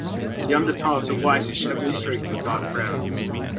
The underparts are whitish, heavily streaked with dark brown.